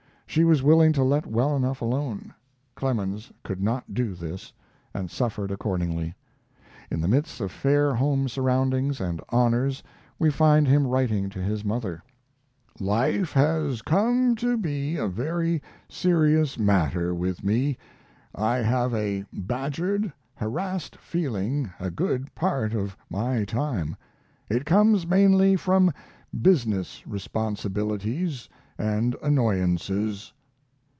She was willing to let well enough alone. Clemens could not do this, and suffered accordingly. In the midst of fair home surroundings and honors we find him writing to his mother: Life has come to be a very serious matter with me. I have a badgered, harassed feeling a good part of my time. It comes mainly from business responsibilities and annoyances.